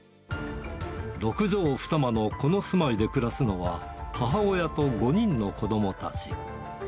６畳２間のこの住まいで暮らすのは、母親と５人の子どもたち。